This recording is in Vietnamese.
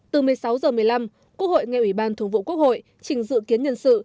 từ một mươi sáu h một mươi năm quốc hội nghe ủy ban thường vụ quốc hội trình dự kiến nhân sự